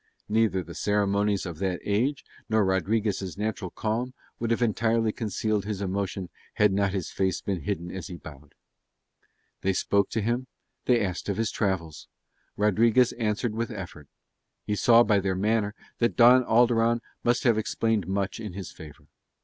Neither the ceremonies of that age nor Rodriguez' natural calm would have entirely concealed his emotion had not his face been hidden as he bowed. They spoke to him; they asked him of his travels; Rodriguez answered with effort. He saw by their manner that Don Alderon must have explained much in his favour.